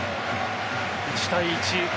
１対１。